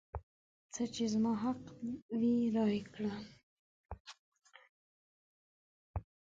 څه چې زما حق وي رایې کړه.